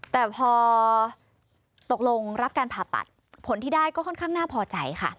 แต่พอตกลงรับการผ่าตัดผลที่ได้ก็ค่อนข้างน่าพอใจค่ะ